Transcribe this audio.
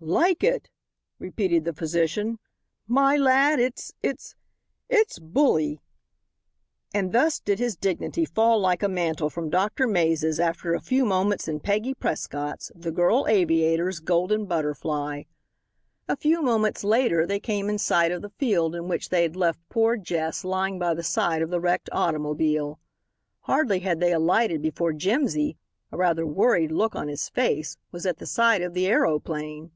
"Like it!" repeated the physician; "my lad, it's it's it's bully!" And thus did his dignity fall like a mantle from Doctor Mays after a few moments in Peggy Prescott's, the girl aviator's, Golden Butterfly. A few moments later they came in sight of the field in which they had left poor Jess lying by the side of the wrecked automobile. Hardly had they alighted before Jimsy, a rather worried look on his face, was at the side of the aeroplane.